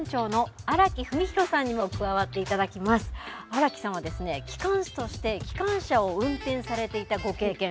荒木さんは機関士として機関車を運転されていたご経験